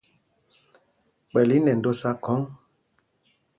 Kpɛ̂l í nɛ ndōsā khɔ́ŋ.